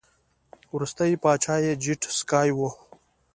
وروستی پاچا یې جیډ سکای و